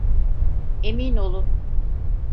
Emin olun.